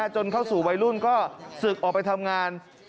จนเข้าสู่วัยรุ่นก็ศึกออกไปทำงาน